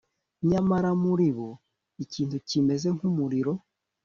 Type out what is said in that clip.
nyamara muri bo ikintu kimeze nkumuriro